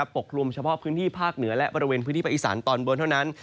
กลุ่มเฉพาะพื้นที่ภาคเหนือและบริเวณพื้นที่ประอิสานตอนบนเท่านั้น